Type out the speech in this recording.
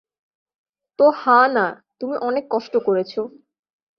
তো হা-না, তুমি অনেক কষ্ট করেছ।